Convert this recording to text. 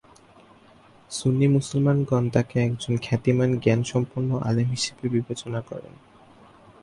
সুন্নি মুসলমানগণ তাকে একজন খ্যাতিমান জ্ঞান সম্পন্ন আলেম হিসেবে বিবেচনা করেন।